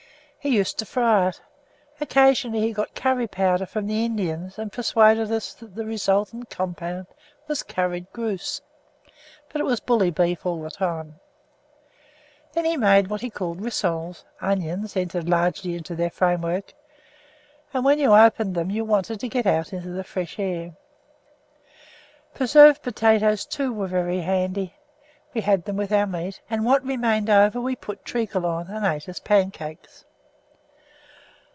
He used to fry it; occasionally he got curry powder from the Indians and persuaded us that the resultant compound was curried goose; but it was bully beef all the time. Then he made what he called rissoles onions entered largely into their framework, and when you opened them you wanted to get out into the fresh air. Preserved potatoes, too, were very handy. We had them with our meat, and what remained over we put treacle on, and ate as pancakes.